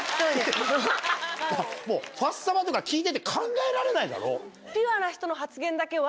ファッサマとか聞いてて考えられないだろ？